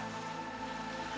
bagaimana kalau kita